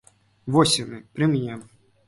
Вось яны, пры мне.